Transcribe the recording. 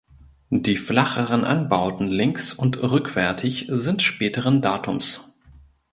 Die flacheren Anbauten links und rückwärtig sind späteren Datums.